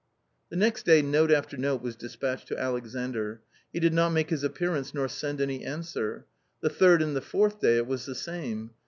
The next day note after note was despatched to Alexandr. He did not make his appearance nor send any answer. The third and the fourth day it was the same.